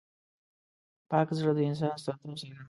پاک زړه د انسان سترتوب څرګندوي.